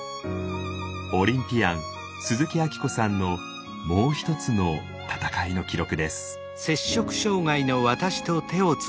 オリンピアン鈴木明子さんのもう一つの戦いの記録です。